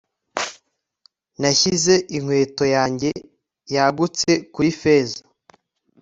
Nashyize inkweto yanjye yagutse kuri feza